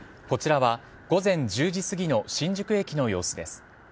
こちらは午前１０時すぎの新宿駅の様子です。